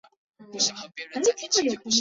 本剧获得过多个电视奖项的肯定。